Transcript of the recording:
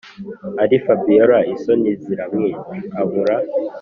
ari fabiora isoni ziramwica abura